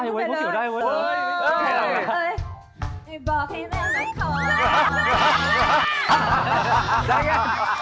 นี่มันยากนะ